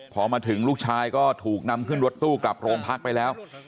พอมาถึงลูกชายก็ถูกนำขึ้นรถตู้กลับโรงพักไปแล้ว